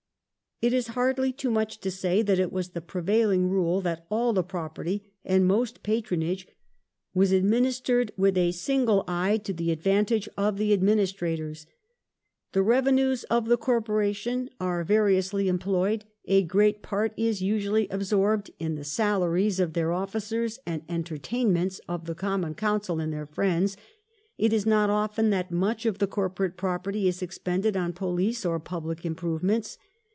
It is hardly too much to say that it was the prevail ing rule that all property and most patronage was administered with a single eye to the advantage of the administrators. " The revenues of the Corporation are variously employed ; a great part is usually absorbed in the salaries of their officers and entertain ments of the Common Council and their friends. ... It is not often that much of the Corporate property is expended on police or public improvements.